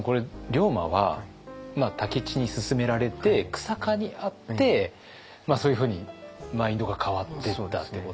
龍馬は武市に勧められて久坂に会ってそういうふうにマインドが変わってったってことですよね。